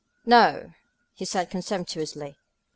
"No!" he said contemptuously.